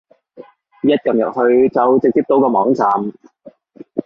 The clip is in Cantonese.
一撳入去就直接到個網站